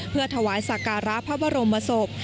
เพื่อถวายสักการะพระบรมศพ